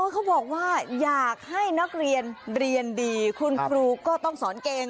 เขาบอกว่าอยากให้นักเรียนเรียนดีคุณครูก็ต้องสอนเกง